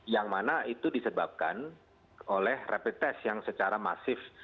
yang mana itu disebabkan oleh rapid test yang secara masif